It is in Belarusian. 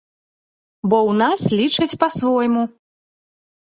Бо ў нас лічаць па-свойму.